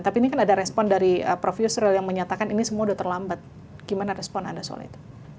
tapi ini kan ada respon dari prof yusril yang menyatakan ini semua sudah terlambat gimana respon anda soal itu